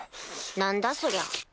何だそりゃ。